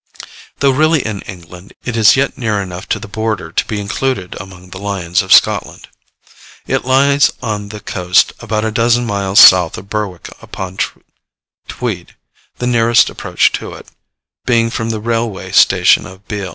Though really in England, it is yet near enough to the border to be included among the Lions of Scotland. It lies on the coast, about a dozen miles south of Berwick upon Tweed, the nearest approach to it, being from the railway station of Beal.